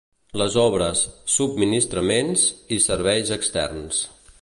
Les obres, subministraments i serveis externs.